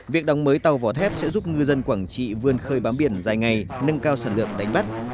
việc đóng mới tàu vỏ thép sẽ giúp ngư dân quảng trị vươn khơi bám biển dài ngày nâng cao sản lượng đánh bắt